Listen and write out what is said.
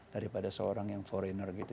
daripada seorang yang forener gitu